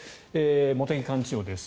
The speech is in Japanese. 茂木幹事長です。